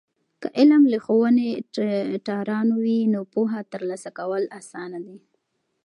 که علم له ښوونه ټیټرانو وي، نو پوهه ترلاسه کول آسانه دی.